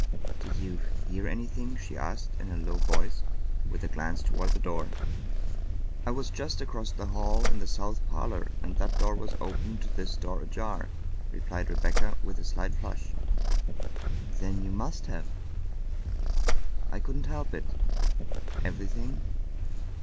"Did you — hear anything?" she asked in a low voice with a glance toward the door. " I was just across the hall in the south parlor, and that door was open and this door ajar," replied Rebecca with a slight flush. " Then you must have '*" I couldn't help it." "Everything?"